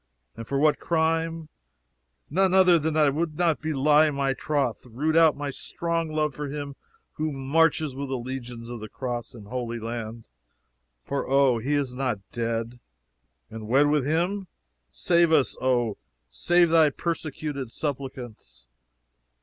And for what crime? None other than that I would not belie my troth, root out my strong love for him who marches with the legions of the cross in Holy Land, (for O, he is not dead!) and wed with him! Save us, O, save thy persecuted suppliants!"